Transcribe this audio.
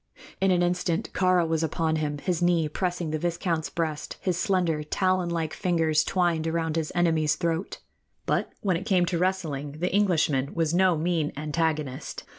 In an instant Kāra was upon him, his knee pressing the viscount's breast, his slender, talon like fingers twined around his enemy's throat. But when it came to wrestling, the Englishman was no mean antagonist.